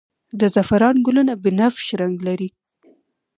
د زعفران ګلونه بنفش رنګ لري